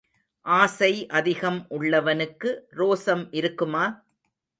ஆசை அதிகம் உள்ளவனுக்கு ரோசம் இருக்குமா?